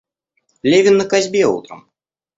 Левин на косьбе утром.